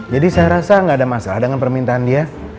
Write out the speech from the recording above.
jadi saya rasa gak ada masalah dengan permintaan dia